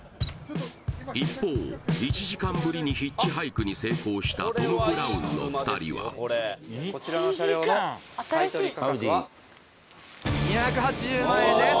一方１時間ぶりにヒッチハイクに成功したトム・ブラウンの２人はこちらの車両の買取価格は２８０万円です